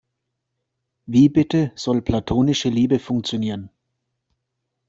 Wie bitte soll platonische Liebe funktionieren?